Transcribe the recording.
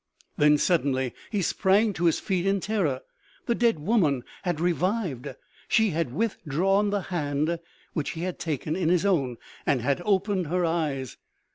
Then, suddenly, he sprang to his feet in terror ; the dead woman had revived. She had withdrawn the hand which he had taken in his own, and had opened her eyes.